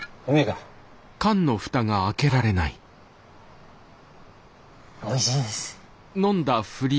はいおいしいです。